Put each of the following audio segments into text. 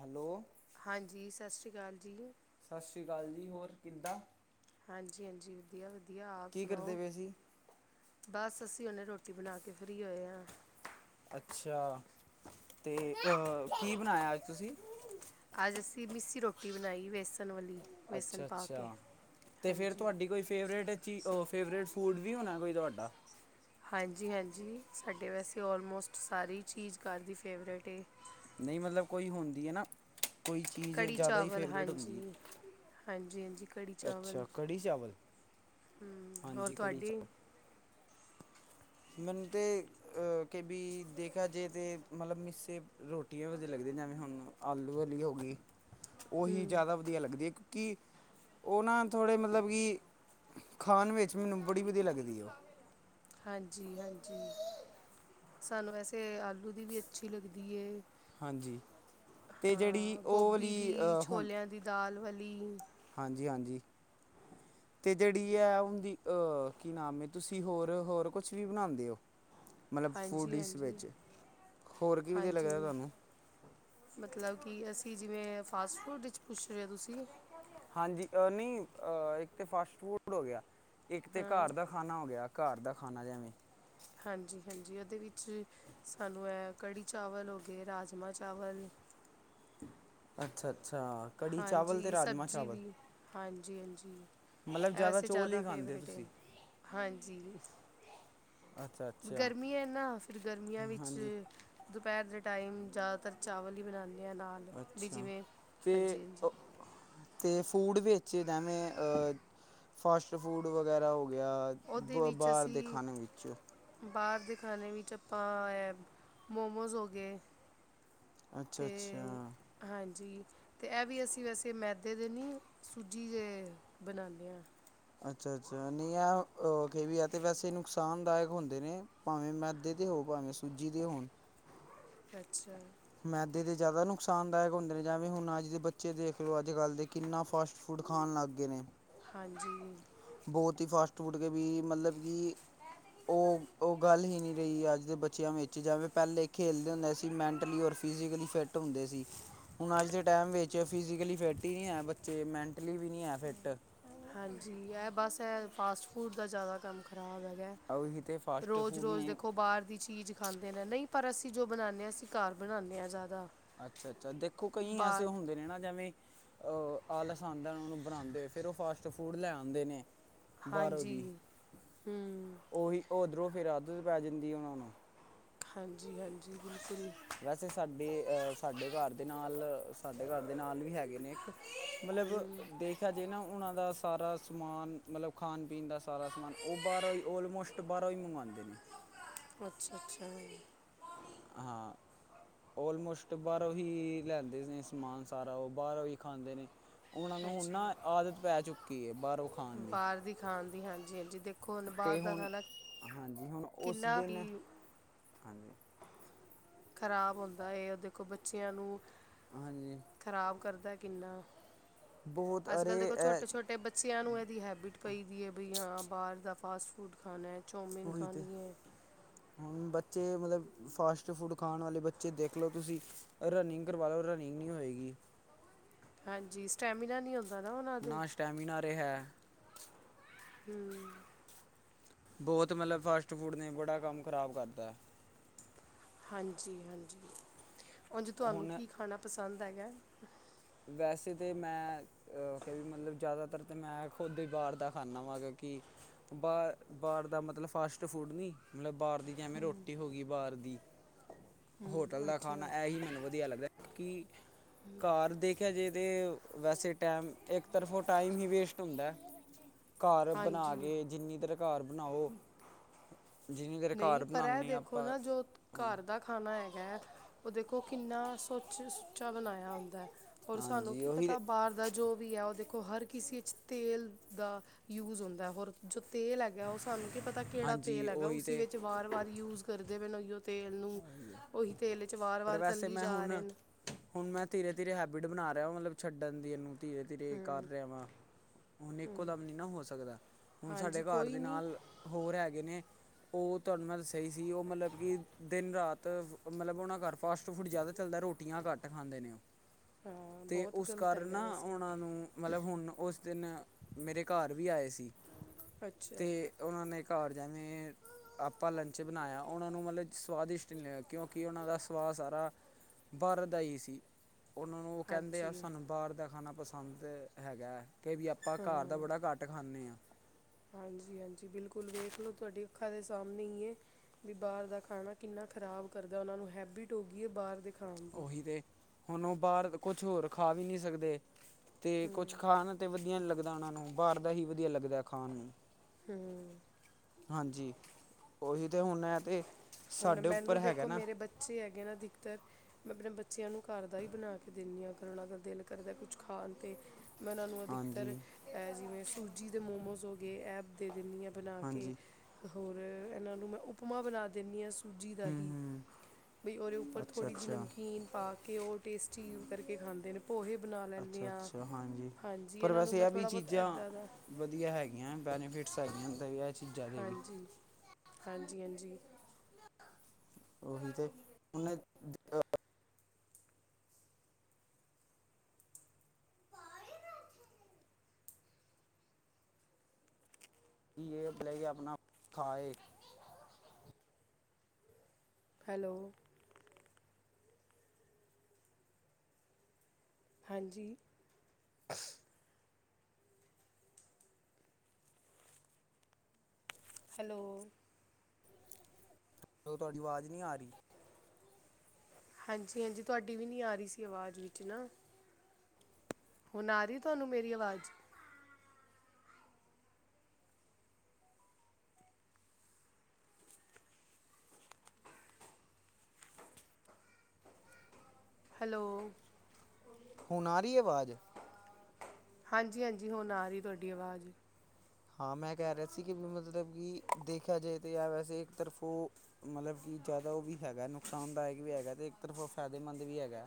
Hello. ਹਾਂਜੀ, ਸਤਿ ਸ਼੍ਰੀ ਅਕਾਲ ਜੀ। ਸਤਿ ਸ਼੍ਰੀ ਅਕਾਲ ਜੀ, ਹੋਰ ਕਿੱਦਾਂ? ਹਾਂਜੀ-ਹਾਂਜੀ ਵਧੀਆ-ਵਧੀਆ। ਆਪ ਕੀ ਕਰਦੇ ਸੁਣਾਓ। ਪਏ ਸੀ ਬਸ, ਅਸੀਂ ਉਹਨੇ ਰੋਟੀ ਬਣਾ ਕੇ ਫਰੀ ਹੋਏ ਹਾਂ। ਅੱਛਾ, ਤੇ' ਕੀ ਬਣਾਇਆ ਅੱਜ ਤੁਸੀਂ? ਅੱਜ ਅਸੀਂ ਮਿੱਸੀ ਰੋਟੀ ਬਣਾਈ, ਵੇਸਣ ਵਾਲੀ। ਵੇਸਣ ਪਾ ਕੇ ਅੱਛਾ-ਅੱਛਾ, ਅਤੇ ਫਿਰ ਹਾਂਜੀ ਤੁਹਾਡੀ ਕੋਈ ਫੇਵਰੇਟ ਚੀ ਫੇਵਰੇਟ ਫੂਡ ਵੀ ਹੋਣਾ ਕੋਈ ਤੁਹਾਡਾ? ਹਾਂਜੀ-ਹਾਂਜੀ, ਸਾਡੇ ਵੈਸੇ ਲਮੋਸਟ ਸਾਰੀ ਚੀਜ਼ ਘਰ ਦੀ ਫੇਵਰੇਟ ਏ। ਨਹੀਂ, ਮਤਲਬ ਕੋਈ ਹੁੰਦੀ ਹੈ ਨਾ, ਕੋਈ ਚੀਜ਼ ਕੜੀ ਜ਼ਿਆਦਾ ਹੀ ਚਾਵਲ ਫੇਵਰੇਟ ਹੁੰਦੀ ਹੈ। ਹਾਂਜੀ ਹਾਂਜੀ ਹਾਂਜੀ ਕੜੀ ਚਾਵਲ ਅੱਛਾ, ਕੜੀ-ਚਾਵਲ। ਹਮ, ਹੋਰ ਹਾਂਜੀ, ਤੁਹਾਡੇ ਕੜੀ-ਚਾਵਲ। ਬੰਦੇ ਅ ਕੇ ਬੀ ਦੇਖਾ ਜੇ ਤੇ ਮਤਲਬ ਮਿਸੀ ਰੋਟੀਆਂ ਦੇ ਲੱਗਦੇ ਨੇ ਹੁਣ ਆਲੂ ਵਾਲੀ ਹੋ ਗਈ [unintelligible] ਓਹੀ ਜਾਦਾ ਵਧੀਆ ਲੱਗਦੀ ਅ ਇੱਕ ਕਿ ਓ ਨਾ ਥੋੜ੍ਹੇ ਮਤਲਬ ਕਿ ਖਾਣ ਵਿੱਚ ਮੈਨੂੰ ਬੜੀ ਵਧੀਆ ਲੱਗਦੀ ਐ ਹਾਂਜੀ-ਹਾਂਜੀ, ਸਾਨੂੰ ਵੈਸੇ ਆਲੂ ਦੀ ਵੀ ਅੱਛੀ ਲੱਗਦੀ ਏ। ਹਾਂਜੀ ਅਤੇ ਜਿਹੜੀ ਹਾਂ, ਉਹ ਗੋਭੀ ਵਾਲੀ ਦੀ ਛੋਲਿਆਂ ਦੀ ਦਾਲ ਵਾਲੀ। ਹਾਂਜੀ-ਹਾਂਜੀ। ਤੇ ਜੇੜੀ ਐ ਹੁੰਦੀ ਅ ਕੀ ਨਾਮ ਏ ਤੁਸੀਂ ਹੋਰ-ਹੋਰ ਕੁਛ ਵੀ ਬਨਾਂਦੇ ਓ। ਹਾਂਜੀ-ਹਾਂਜੀ, ਹੋਰ ਕੀ ਵਧੀਆ ਲੱਗਦਾ ਹਾਂਜੀ। ਤੁਹਾਨੂੰ ਮਤਲਬ ਕਿ ਅਸੀਂ ਜਿਵੇਂ ਫਾਸਟ-ਫੂਡ ਵਿਚ ਪੁੱਛ ਰਏ ਓ ਤੁਸੀਂ। ਹਾਂਜੀ, ਅ ਨਈ ਏਕ ਤੇ ਫਾਸਟ ਫੂਡ ਹੋ ਗਿਆ ਇੱਕ ਤੇ ਹਾਂ ਘਰ ਦਾ ਖਾਣਾ ਹੋ ਗਿਆ। ਘਰ ਦਾ ਖਾਣਾ ਜੈਵੇਂ ਹਾਂਜੀ-ਹਾਂਜੀ, ਓਦੇ ਵਿੱਚ ਸਾਨੂੰ ਐ ਕੜੀ-ਚਾਵਲ ਹੋ ਗਏ, ਰਾਜਮਾਂ-ਚਾਵਲ। ਅੱਛਾ-ਅੱਛਾ, ਕੜੀ-ਚਾਵਲ ਤੇ ਰਾਜਮਾਂ-ਚਾਵਲ। ਹਾਂਜੀ-ਹਾਂਜੀ, ਐ ਜ਼ਿਆਦਾ ਵੈਸੇ ਚੋਲ ਹੀ ਜਾਦਾ ਖਾਂਦੇ ਫੇਵਰੇਟ ਐ ਤੁਸੀਂ ਹਾਂਜੀ। ਅੱਛਾ ਅੱਛਾ ਗਰਮੀ ਐ ਨਾ ਫਿਰ ਗਰਮੀਆਂ ਵਿੱਚ। ਹਾਂਜੀ ਦੁਪੈਰ ਦੇ ਟਾਈਮ ਜ਼ਿਆਦਾਤਰ ਚਾਵਲ ਈ ਬਣਾਨੇ ਆਂ ਨਾਲ। ਵੀ ਅੱਛਾ ਜਿਵੇਂ ਤੇ ਹਾਂਜੀ ਅ। ਹਾਂਜੀ ਤੇ ਫੂਡ ਵੇਚ ਜੈਵੇਂ ਅ ਫਾਸਟ-ਫੂਡ ਵਗੈਰਾ ਹੋ ਗਿਆ ਉਹਦੇ ਬ ਵਿੱਚ ਬਾਰ ਦੇ ਅਸੀਂ ਖਾਨੇ ਵਿੱਚ ਬਾਹਰ ਦੇ ਖਾਨੇ ਵਿੱਚ ਆਪਾਂ ਐ ਮੋਮੋਜ਼ ਹੋ ਗਏ। ਅੱਛਾ ਅੱਛਾ ਤੇ। ਹਾਂਜੀ ਤੇ ਏਹ ਵੀ ਅਸੀਂ ਵੈਸੇ ਮੈਦੇ ਦੇ ਨੀ, ਸੂਜੀ ਦੇ ਬਨਾਨੇ ਆਂ। ਅੱਛਾ-ਅੱਛਾ ਨਈ ਏਹ ਆ ਕਿ ਵੀ ਐ ਤੇ ਵੈਸੇ ਨੁਕਸਾਨਦਾਇਕ ਹੁੰਦੇ ਨੇ। ਪਾਂਵੇਂ ਮੈਦੇ ਦੇ ਹੋ ਪਾਂਵੇਂ ਸੂਜੀ ਦੇ ਹੋਣ। ਅੱਛਾ। ਮੈਦੇ ਦੇ ਜਾਦਾ ਨੁਕਸਾਨਦਾਇਕ ਹੁੰਦੇ ਨੇ ਜਵੇਂ ਹੁਣ ਅੱਜ ਦੇ ਬੱਚੇ ਦੇਖ ਲੋ ਅੱਜ-ਕੱਲ ਦੇ ਕਿੰਨਾ ਫਾਸਟ ਫੂਡ ਖਾਣ ਲਾਗ ਗਏ ਨੇ। ਹਾਂਜੀ। ਬੋਤ ਈ ਫਾਸਟ-ਫੂਡ ਕੇ ਵੀ ਮਤਲਬ ਕਿ ਓ ਓਹ ਗੱਲ ਹੀ ਨਈ ਰਹੀ ਅੱਜ ਦੇ ਬੱਚਿਆਂ ਵਿੱਚ ਜਵੇਂ ਪਹਿਲੇ ਖੇਲਦੇ ਹੁੰਦੇ ਸੀ ਮੈਂਟਲੀ ਔਰ ਫਿਜੀਕਲੀ ਫਿੱਟ ਹੁੰਦੇ ਸੀ। ਹੁਣ ਅੱਜ ਦੇ ਟੈਮ ਵਿੱਚ ਫਿਜ਼ੀਕਲੀ ਫਿੱਟ ਈ ਨਈ ਐ ਬੱਚੇ ਮੈਂਟਲੀ ਵੀ ਨਈ ਐ ਫਿੱਟ। ਹਾਂਜੀ, ਏਹ ਬਸ ਏਹ ਫਾਸਟ-ਫੂਡ ਦਾ ਜਾਦਾ ਕੰਮ ਖਰਾਬ ਹੈਗਾ ਐ। ਉਹੀ ਤੇ ਫਾਸਟ ਫੂਡ ਰੋਜ਼-ਰੋਜ਼ ਨੇ ਦੇਖੋ ਬਾਹਰ ਦੀ ਚੀਜ਼। ਖਾਂਦੇ ਨੇ ਨਈ ਪਰ ਅਸੀਂ ਜੋ ਬਣਾਨੇ ਆਂ ਅਸੀਂ ਘਰ ਬਣਾਨੇ ਆਂ ਜਾਦਾ। ਅੱਛਾ-ਅੱਛਾ, ਦੇਖੋ ਕਈ ਐਸੇ ਹੁੰਦੇ ਨੇ ਨਾ ਜਵੇਂ ਅ ਆਲਸ ਆਂਦਾ ਓਨਾ ਨੂੰ ਬਣਾਂਦੇ ਹੋਏ ਫਿਰ ਓ ਫਾਸਟ-ਫੂਡ ਲੈ ਆਂਦੇ ਨੇ। ਬਾਰੋਂ ਹਾਂਜੀ ਦੀ ਹੂੰ ਓਹੀ ਓ ਓਧਰੋਂ ਫੇਰ ਆਦਤ ਪੈ ਜਾਂਦੀ ਏ ਓਨਾ ਨੂੰ। ਹਾਂਜੀ-ਹਾਂਜੀ, ਬਿਲਕੁਲ। ਵੈਸੇ ਸਾਡੀ ਅ ਸਾਡੇ ਘਰ। ਦੇ ਨਾਲ ਸਾਡੇ ਘਰ ਦੇ ਨਾਲ ਵੀ ਹੈਗੇ ਨੇ ਇੱਕ, ਹੂੰ ਮਤਲਬ ਦੇਖਿਆ ਜੇ ਨਾ ਓਹਨਾਂ ਦਾ ਸਾਰਾ ਸਮਾਨ, ਮਤਲਬ ਖਾਨ-ਪੀਨ ਦਾ ਸਾਰਾ ਸਮਾਨ, ਉਹ ਬਾਰੋਂ ਈ ਓਲਮੋਸਟ ਬਾਰੋਂ ਈ ਮੰਗਵਾਂਦੇ ਨੇ। ਅੱਛਾ-ਅੱਛਾ। [unintelligible] ਔਲਮੋਸਟ ਬਾਰੋਂ ਹੀ ਲੈਂਦੇ ਨੇ ਸਮਾਨ ਸਾਰਾ, ਓ ਬਾਰੋਂ ਈ ਖਾਂਦੇ ਨੇ। ਓਨਾਂ ਨੂੰ ਹੁਣ ਅੱਛਾ ਨਾ ਆਦਤ ਪੈ ਚੁੱਕੀ ਐ, ਬਾਰੋ ਖਾਨ ਦੀ। ਖਾਣ ਦੀ ਹਾਂਜੀ-ਹਾਂਜੀ ਦੇਖ ਤੇ ਹੁਣ, ਹਾਂਜੀ ਹੁਣ ਓਸ ਕਿੰਨਾ ਦਿਨ, ਹੀ ਹਾਂਜੀ। ਖ਼ਰਾਬ ਹੁੰਦਾ ਏ ਦੇਖੋ, ਬੱਚੇਆਂ ਨੂੰ। ਹਾਂਜੀ ਖਰਾਬ ਕਰਦੈ ਕਿੰਨਾ, ਬਹੁਤ ਅੱਜ-ਕੱਲ ਅਰੇ ਦੇਖੋ, ਇਹ ਛੋਟੇ-ਛੋਟੇ। ਤੇ ਬੱਚਿਆਂ ਨੂੰ ਏਦੀ ਹੈਬਿਟ ਪਈ ਵੀ ਏ ਬਈ ਹਾਂ, ਬਾਰ ਦਾ ਫਾਸਟ-ਫੂਡ ਖਾਣਾ। ਚੌਮਿਨ ਓਹੀ ਤੇ ਹੈ। ਖਾਣੀ ਹੁਣ ਬੱਚੇ ਮਤਲਬ, ਫਾਸਟ-ਫੂਡ ਖਾਣ ਆਲੇ ਬੱਚੇ ਦੇਖਲੋ ਤੁਸੀਂ। ਰਨਿੰਗ ਕਰਵਾਲੋ, ਰਨਿੰਗ ਨੀ ਹੋਏਗੀ। ਹਾਂਜੀ, ਸਟੈਮੀਨਾ ਨੀ ਆਓਦਾ ਨਾ ਉਨ੍ਹਾ ਦੇ ਨਾ ਸਟੈਮੀਨਾ ਆ ਰਿਹਾ ਹੂੰ। ਬਹੋਤ ਮਤਲਬ ਫਾਸਟ-ਫੂਡ ਨੇ, ਬੜਾ ਕੰਮ ਖ਼ਰਾਬ ਕਰਤਾ। ਹਾਂਜੀ-ਹਾਂਜੀ, ਉਝ ਤੁਆਨੂੰ ਹੁਣ ਕੀ ਖਾਣਾ ਪਸੰਦ ਹੈਗਾ? ਵੈਸੇ ਤੇ ਮੈਂ ਅਹ ਫੇਰ ਵੀ ਮਤਲਬ, ਜ਼ਿਆਦਾਤਰ ਤੇ ਮੈਂ ਖੁਦ ਈ ਬਾਰ ਦਾ ਖਾਨਾ ਵਾ, ਕਿਓਕੇ ਬਾਰ-ਬਾਰ, ਦਾ ਮਤਲਬ ਫਾਸਟ ਫੂਡ ਨੀ। ਮਤਲਬ ਬਾਰ ਦੀ ਜਿਵੇਂ ਰੋਟੀ ਹੋਗੀ ਬਾਰ ਦੀ। ਹੋਟਲ ਹੂੰ ਦਾ ਖਾਣਾ ਅੱਛਾ ਐ ਈ, ਮੈਨੂੰ ਵਦੀਆ ਲੱਗਦਾ, ਕਿ ਘਰ ਦੇ ਦੇਖਿਆ ਜੇ ਤੇ ਵੈਸੇ ਟੈਮ ਇੱਕ ਤਰਫੋਂ ਟਾਈਮ ਈ ਵੇਸਟ ਹੁੰਦਾ, ਘਰ ਬਣਾ ਹਾਂਜੀ ਕੇ, ਜਿੰਨੀ ਤਰ ਘਰ ਬਣਾਓ। ਜਿੰਨੀ ਦੇਰ ਨਈ ਘਰ ਪਰ ਐ ਬਣਾਉਂਦੇ ਹਾਂ ਦੇਖੋ ਆਪਾਂ ਨਾ, ਜੋ ਹਾਂ- ਘਰ ਦਾ ਖਾਣਾ ਹੈਗਾ ਹੈ, ਓ ਦੇਖੋ ਕਿੰਨਾ ਸੁਚ-ਸੁੱਚਾ ਬਣਾਇਐ ਹੁੰਦਾ। ਔਰ ਸਾਨੂੰ ਹਾਂਜੀ ਕੀ ਉਹੀ ਤੇ ਪਤਾ, ਬਾਰ ਦਾ ਜੋ ਵੀ ਹੈ ਓ ਦੇਖੋ, ਹਰ ਕਿਸੇ 'ਚ ਤੇਲ ਦਾ ਯੂਜ ਹੁੰਦਾ, ਹੋਰ ਜੋ ਤੇਲ ਹੈਗਾ, ਓ ਸਾਨੂੰ ਕੀ ਪਤਾ ਕੇੜਾ ਹਾਂਜੀ ਤੇਲ ਹੈਗਾ ਓ ਉਹੀ ਤੇ ਵਾਰ-ਵਾਰ ਯੂਜ ਕਰਦੇ ਪਏ ਨੇ ਓਈਓ ਤੇਲ ਨੂੰ ਓਹੀ ਤੇਲ ਵਿੱਚ ਪਰ ਵਾਰ-ਵਾਰ ਵੈਸੇ ਤਲੀ ਮੈਂ ਜਾ ਰਹੇ ਹੁਣ ਨੇ। ਹੁਣ ਮੈਂ ਧੀਰੇ-ਧੀਰੇ ਹੈਬਿਟ ਬਣਾ ਰਿਹਾ ਮਤਲਬ ਛੱਡਣ ਦੀ ਏਨੂੰ, ਧੀਰੇ-ਧੀਰੇ ਕਰ ਹੂੰ ਰਿਹਾ ਵਾਂ। ਹੁਣ ਇੱਕੋ ਦਮ ਨੀ ਨਾ ਹੋ ਸਕਦਾ, ਹੁਣ ਸਾਡੇ ਹਾਂਜੀ ਘਰ ਕੋਈ ਦੇ ਨਹੀਂ ਨਾਲ ਹੋਰ ਹੈਗੇ ਨੇ, ਓ ਤੁਹਾਨੂੰ ਮੈਂ ਦੱਸਿਆ ਹੀ ਸੀ, ਓ ਮਤਲਬ ਕਿ ਦਿਨ-ਰਾਤ ਮਤਲਬ ਉਨ੍ਹਾ ਘਰ ਫਾਸਟ-ਫੂਡ ਜ਼ਿਆਦਾ ਚੱਲਦਾ, ਰੋਟੀਆਂ ਘੱਟ ਖਾਂਦੇ ਨੇ ਓ। ਹਾਂ ਤੇ ਬਹੁਤ ਓਸ ਗਲਤ ਕਾਰਨ ਹੈਗਾ ਨਾ, ਵੈਸੇ ਉਨ੍ਹਾ ਨੂੰ ਮਤਲਬ ਹੁਣ ਓਸ ਦਿਨ ਮੇਰੇ ਘਰ ਵੀ ਆਏ ਸੀ ਅੱਛਾ ਤੇ ਓਨਾਂ ਨੇ ਘਰ ਜਾਣੇ ਜਿਵੇਂ ਆਪਾਂ ਲੰਚ ਬਣਾਇਆ, ਓਨਾਂ ਨੂੰ ਮਤਲਬ ਸਵਾਦਿਸ਼ਟ ਨੀ [inaudible] ਕਿਉਂਕਿ ਉਨ੍ਹਾ ਸਵਾਦ ਸਾਰਾ ਬਾਰ ਦਾ ਈ ਸੀ। ਓਨਾਂ ਨੂੰ ਓ ਕੈਦੇ ਆ ਹਾਂਜੀ ਸਾਨੂੰ ਬਾਰ ਦਾ ਖਾਣਾ ਪਸੰਦ ਹੈਗਾ, ਕੇ ਵੀ ਆਪ ਆਪਾਂ ਘਰ ਦਾ ਬੜਾ ਘੱਟ ਖਾਂਨੇ ਆਂ। ਹਾਂਜੀ-ਹਾਂਜੀ ਬਿਲਕੁਲ ਵੇਖ ਲੋ, ਤੁਹਾਡੀ ਅੱਖਾਂ ਦੇ ਸਾਹਮਣੇ ਈ ਐ। ਵੀ ਬਾਰ ਦਾ ਖਾਣਾ ਕਿੰਨਾ ਖ਼ਰਾਬ ਕਰਦਾ, ਓਨਾਂ ਨੂੰ ਹੈਬਿਟ ਹੋਗੀ ਏ, ਬਾਰ ਦੇ ਖਾਣ ਦੀ ਓਹੀ ਤੇ ਹੁਣ ਓ ਬਾਰ ਕੁਛ ਹੋਰ ਖਾ ਵੀ ਨੀ ਸਕਦੇ। ਤੇ ਕੁਛ ਹੂੰ ਖਾਣ ਤੇ ਵਧੀਆ ਨੀ ਲੱਗਦਾ ਓਨਾਂ ਨੂੰ ਬਾਰ ਦਾ ਹੀ ਵਦੀਆ ਲੱਗਦਾ, ਖਾਣ ਨੂੰ ਹੂੰ। ਹਾਂਜੀ! ਉਹੀ ਤੇ ਹੁਣ ਹੈ ਤੇ ਸਾਡੇ ਉੱਪਰ ਹੈਗਾ ਨਾ। ਸੀ ਹੈਗੇ ਨਾ ਧਿਕਤਰ। ਮੈਂ ਆਪਣੇ ਬੱਚਿਆਂ ਨੂੰ ਘਰ ਦਾ ਈ ਬਣਾ ਕੇ ਦਿੰਨੀ ਆਂ ਅਗਰ ਓਹਨਾਂ ਦਾ ਦਿਲ ਕਰਦਾ ਕੁਛ ਖਾਣ 'ਤੇ। ਮੈਂ ਉਹਨਾਂ ਨੂੰ ਅਧਿਕਤਰ ਹਾਂਜੀ ਐ-ਜਿਵੇਂ ਸੂਜੀ ਦੇ ਮੋਮੋਸ ਹੋ ਗਏ ਐ ਦੇ ਦਿੰਦੀ ਆਂ ਬਣਾ ਕੇ ਹਾਂਜੀ ਹੋਰ ਇਹਨਾਂ ਨੂੰ ਮੈਂ ਉਪਮਾ ਬਣਾ ਦਿੰਨੀ ਆਂ ਸੁ ਸੂਜੀ ਦਾ ਹੂੰ ਹੀ ਹੂੰ ਬਈ ਉਹਦੇ ਉੱਪਰ ਅੱਛਾ ਥੋੜ੍ਹੀ ਜੀ ਅੱਛਾ ਨਮਕੀਨ ਪਾ ਕੇ ਉਹ ਟੇਸਟੀ ਕਰਕੇ ਖਾਂਦੇ ਨੇ। ਪੋਹੇ ਬਣਾ ਲੈਂਨੀ ਅੱਛਾ ਆਂ, ਅੱਛਾ ਹਾਂਜੀ ਹਾਂਜੀ ਪਰ ਇਹਨਾਂ ਨੂੰ ਵੈਸੇ ਮੈਂ ਇਹ ਵੀ ਥੋੜ੍ਹਾ ਬਹੁਤ ਚੀਜ਼ਾਂ ਐਦਾਂ ਦਾ ਵਧੀਆ ਹੈਗੀਆਂ ਬੈਨੀਫਿਟਸ ਹੈਗੀਆਂ [unintelligible] ਵੀ ਹਾਂਜੀ, ਹਾਂਜੀ-ਹਾਂਜੀ! ਉਹੀ ਤੇ ਹੁਣ [unintelligible] ਕੀ ਇਹ ਭਲੇ ਕਿ ਆਪਣਾ ਖਾਏ [unintelligible] ਹੈਲੋ! ਹਾਂਜੀ! ਹੈਲੋ! ਓ ਤੁਹਾਡੀ ਵਾਜ਼ ਨੀ ਆ ਰਹੀ। ਹਾਂਜੀ-ਹਾਂਜੀ ਤੁਹਾਡੀ ਵੀ ਨੀ ਆ ਰੀ ਸੀ ਆਵਾਜ਼ ਵਿੱਚ ਨਾ ਹੁਣ ਆ ਰੀ ਤੁਹਾਨੂੰ ਮੇਰੀ ਅਵਾਜ਼? ਹੈਲੋ! ਹੁਣ ਆ ਰੀ ਅਵਾਜ਼? ਹਾਂਜੀ-ਹਾਂਜੀ ਹੁਣ ਆ ਰਈ ਤੁਹਾਡੀ ਅਵਾਜ਼। ਹਾਂ ਮੈਂ ਕਹਿ ਰਿਹਾ ਸੀ ਕਿ ਮ-ਮਤਤਬ ਕੀ ਦੇਖਿਆ ਜਾਏ ਤੇ ਯ ਵੈਸੇ ਇੱਕ ਤਰਫੋ਼ ਮਤਲਬ ਕੀ ਜ਼ਿਆਦਾ ਉਹ ਵੀ ਹੈਗਾ ਨੁਕਸਾਨਦਾਇਕ ਵੀ ਹੈਗਾ ਤੇ ਇੱਕ ਤਰਫੋ ਫੈਦੇਮੰਦ ਵੀ ਹੈਗਾ।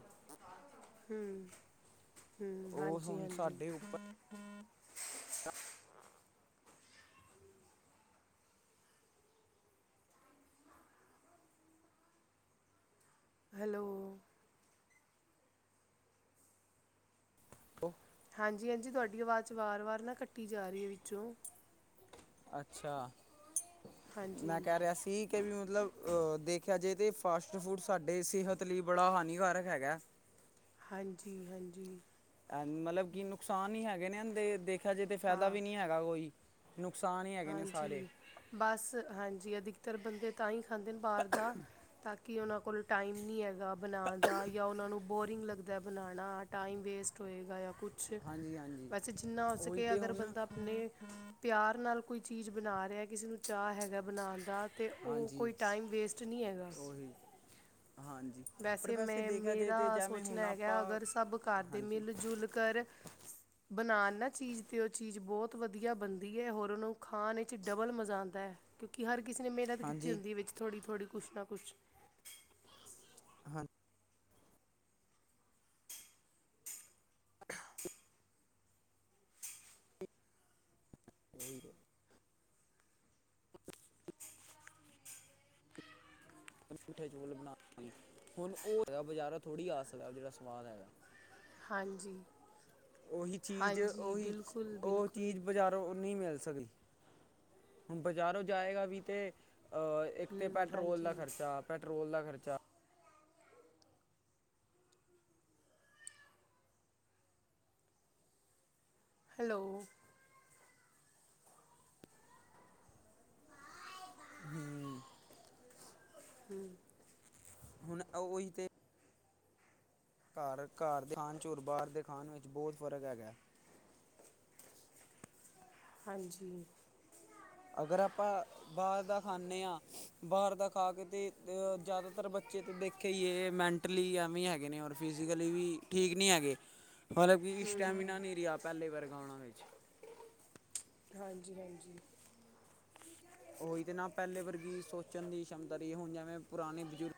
ਹਮ-ਹਮ ਉਹ ਹੁਣ ਹਾਂਜੀ-ਹਾਂਜੀ! ਸਾਡੇ ਉੱਪਰ ਹੈਲੋ! ਓ ਹਾਂਜੀ-ਹਾਂਜੀ ਤੁਹਾਡੀ ਆਵਾਜ਼ 'ਚ ਵਾਰ-ਵਾਰ ਨਾ ਕੱਟੀ ਜਾ ਰੀ ਐ ਵਿੱਚੋਂ। ਅੱਛਾ! ਹਾਂਜੀ ਮੈਂ ਕਹਿ ਹਾਂਜੀ ਰਿਹਾ ਸੀ ਕਿ ਵੀ ਮਤਲਬ ਅ-ਦੇਖਿਆ ਜਾਏ ਤੇ ਫਾਸਟਫੂਡ ਸਾਡੇ ਸਿਹਤ ਲਈ ਬੜਾ ਹਾਨੀਕਾਰਕ ਹੈਗਾ। ਹਾਂਜੀ-ਹਾਂਜੀ! ਐ-ਮਤਲਬ ਕਿ ਨੁਕਸਾਨ ਨੀ ਹੈਗੇ ਨੇ ਏਂਦੇ ਦੇਖਿਆ ਜਾਏ ਤੇ ਫ਼ਾਇਦਾ ਹਾਂ ਵੀ ਨੀ ਹੈਗਾ ਕੋਈ ਨੁਕਸਾਨ ਹੀ ਹੈਗੇ ਨੇ ਸਾਰੇ ਹਾਂਜੀ, ਬਸ ਹਾਂਜੀ ਅਧਿਕਤਰ ਬੰਦੇ ਤਾਂ ਹੀ ਖਾਂਦੇ ਨੇ ਬਾਹਰ ਦਾ ਤਾਂ ਕ ਕੀ ਉਹਨਾਂ ਕੋਲ ਟਾਈਮ ਨੀ ਹੈਗਾ ਬਣਾਣ ਦਾ ਯਾ ਉਹਨਾਂ ਨੂੰ ਬੋਰਿੰਗ ਲੱਗਦਾ ਬਣਾਣਾ ਟਾਈਮ ਵੇਸਟ ਹੋਏਗਾ ਯਾ ਕੁੱਛ ਛ, ਹਾਂਜੀ ਹਾਂਜੀ ਵੈਸੇ ਜਿੰਨਾਂ ਹੋ ਉਹੀ ਸਕੇ ਤੇ ਅਗਰ ਹੁਣ ਬੰਦਾਂ ਆਪਣੇ ਪਿਆਰ ਨਾਲ਼ ਕੋਈ ਚੀਜ਼ ਬਣਾ ਰਿਹਾ ਕਿਸੇ ਨੂੰ ਚਾਅ ਹੈਗਾ ਬਣਾਣ ਦਾ ਤੇ ਉਹ ਹਾਂਜੀ ਕੋਈ ਟਾਈਮ ਵੇਸਟ ਨੀ ਹੈਗਾ। ਉਹੀ ਹਾਂਜੀ! ਪਰ ਵੈਸੇ ਮੈਂ ਦੇਖਿਆ ਜੇ ਮੇਰਾ ਤੇ ਜਿਵੇਂ ਸੋਚਣਾ ਹੁਣ ਆਪਾਂ ਹੈਗਾ ਅਗਰ ਸਭ ਘਰ ਦੇ ਹਾਂਜੀ ਮਿਲ-ਜੁਲ ਕਰ ਸ ਬਣਾਣ ਨਾ ਚੀਜ਼ ਤੇ ਉਹ ਚੀਜ਼ ਬਹੁਤ ਵਧੀਆ ਬਣਦੀ ਐ, ਹੋਰਾ ਨੂੰ ਖਾਣ ਵਿੱਚ ਡਬਲ ਮਜ਼ਾ ਆਂਦੈ। ਕਿਉਂਕਿ ਹਰ ਕਿਸੇ ਨੇ ਮਿਹਨਤ ਕੀਤੀ ਹਾਂਜੀ ਹੁੰਦੀ ਐ ਵਿੱਚ ਥੋੜ੍ਹੀ-ਥੋੜ੍ਹੀ ਕੁੱਸ਼ ਨਾ ਕੁੱਸ਼। [inaudible] [inaudible] ਉਹੀ ਤੇ ਮਿੱਠੇ ਚੋਲ ਬਣਾ ਹੁਣ ਉਹ ਹੈਗਾ ਬਜ਼ਾਰਾ ਥੋੜੀ ਆਸਲ ਹੈ ਜਿਹੜਾ ਸਵਾਦ ਹੈਗਾ [unintelligible] ਹਾਂਜੀ! ਉਹੀ ਚੀਜ਼, ਹਾਂਜੀ ਉਹੀ ਬਿਲਕੁਲ ਉਹ ਬਿਲਕੁਲ ਚੀਜ਼ ਬਜ਼ਾਰ। ਔ ਨਹੀਂ ਮਿਲ਼ ਸਕਦੀ। ਹੁਣ ਬਾਜ਼ਾਰੋਂ ਜਾਏਂਗਾ ਵੀ ਤੇ ਅ ਇੱਕ ਤੇ ਹੂੰ ਪੈਟਰੋਲ ਦਾ ਹਾਂਜੀ ਖ਼ਰਚਾ, ਪੈਟਰੋਲ ਦਾ ਖ਼ਰਚਾ। ਹੈਲੋ। ਹੂੰ ਹਮ [unintelligible] ਹੁਣ ਉਹੀ ਤੇ ਘਰ ਘਰ ਦੇ ਆਣ ਚ ਬਾਹਰ ਦੇ ਖਾਣ ਵਿੱਚ ਬਹੁਤ ਫ਼ਰਕ ਹੈਗਾ। ਹਾਂਜੀ ਅਗਰ, ਆਪਾਂ ਬਾਹਰ ਦਾਂ ਖਾਂਨੇ ਹਾਂ। ਬਾਹਰ ਦਾ ਖਾਕੇ ਤੇ, ਜ਼ਿਆਦਾਤਰ ਬੱਚੇ ਤੇ ਦੇਖੇਂ ਹੀਏ ਮੈਂਟਲੀ ਐਵੇਂ ਹੈਗੇ ਨੇ ਔਰ। ਫਿਜੀਕਲੀ ਵੀ, ਠੀਕ ਨਹੀਂ ਹੈਗੇ। [inaudible] ਮਤਲਬ ਕਿ ਸਟੈਮਿਨਾ ਨਹੀਂ ਰਿਹਾ, ਪਹਿਲੇ ਵਰਗਾ ਉਹਣਾ ਵਿੱਚ। ਹਾਂਜੀ, ਹਾਂਜੀ ਉਹੀ ਤੇ ਨਾ ਪਹਿਲੇ ਵਰਗੀ ਸੋਚਣ ਦੀ ਸ਼ਮਤਾ ਰਹੀ। ਹੁਣ ਜੇਵੇਂ ਪੁਰਾਣੇ ਬਜ਼ੁਰਗ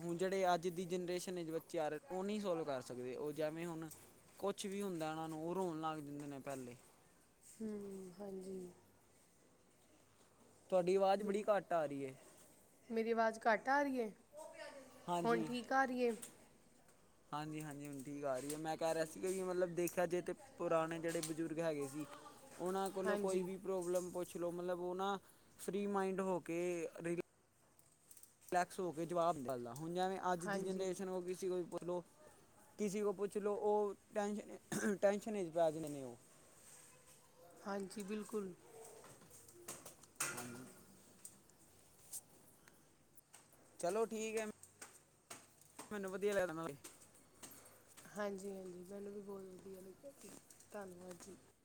ਹੁਣ ਜਿਹੜੇ ਅੱਜ ਦੀ ਜਨਰੇਸ਼ਨ ਵਿਚ ਬੱਚੇ ਆ ਰਹੇ। ਉਹ ਨਹੀਂ ਸੋਲਵ ਕਰ ਸਕਦੇ ਉਹ ਜੇਵੇਂ ਹੁਣ। ਕੁਛ ਵੀ ਹੁੰਦਾ, ਉਹਨਾਂ ਨੂੰ ਉਹ ਰੋਣ ਲੱਗ ਜਾਂਦੇ ਨੇ ਪਹਿਲੇ। ਹੂੰ ਹਾਂਜੀ ਤੁਹਾਡੀ ਆਵਾਜ਼ ਬੜੀ ਬਿਲ ਘੱਟ ਆ ਰਹੀ ਹੈ। ਮੇਰੀ ਆਵਾਜ਼ ਘੱਟ ਆ ਰਹੀ ਏ। ਹੁਣ ਹਾਂਜੀ ਠੀਕ ਆ ਰਹੀ ਏ। ਹਾਂਜੀ, ਹਾਂਜੀ ਹੁਣ ਠੀਕ ਆ ਰਹੀ ਏ। ਮੈਂ ਕਹਿ ਰਿਹਾ ਸੀ, ਕਿ ਵੀ ਮਤਲਬ ਦੇਖਿਆ ਜੇ ਤੇ ਪੁਰਾਣੇ, ਜਿਹੜੇ ਬਜ਼ੁਰਗ ਹੈਗੇ ਸੀ। ਉਹਨਾਂ ਕੋਲੋਂ ਕੋਈ ਹਾਂਜੀ ਵੀ ਪ੍ਰੋਬਲਮ ਪੁੱਛ ਲਓ। ਮਤਲਬ ਉਹ ਨਾ ਫਰੀ ਮਾਈਂਡ ਹੋ ਕੇ। ਰਿਲੈਕਸ ਹੋ ਕੇ ਜਵਾਬ ਹੁੰਦਾ ਸੀਗਾ, ਹੁਣ ਜਿਵੇਂ ਅੱਜ ਦੀ ਹਾਂਜੀ ਜਨਰੇਸ਼ਨ ਉਹ ਕਿਸੇ ਕੋਲ ਵੀ ਪੁਛਲੋ। ਕਿਸੀ ਕੋਲ ਪੁੱਛ ਲਓ। ਉਹ ਟੈਂਸ਼ਨ ਟੈਂਸ਼ਨ 'ਚ ਪੈ ਜਾਂਦੇ ਉਹ। ਹਾਂਜੀ, ਬਿਲਕੁਲ। ਹੂੰ [inaudible] ਚਲੋ ਠੀਕ ਹੈ। ਮੈਨੂੰ ਵਧੀਆ ਲਗਨਾ। ਹਾਂਜੀ, ਹਾਂਜੀ ਮੈਨੂੰ ਵੀ ਬਹੁਤ ਵਧੀਆ ਲੱਗਿਆ ਊਕੇ ਧੰਨਵਾਦ ਜੀ।